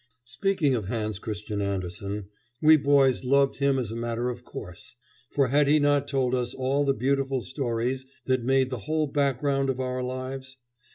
Speaking of Hans Christian Andersen, we boys loved him as a matter of course; for had he not told us all the beautiful stories that made the whole background of our lives?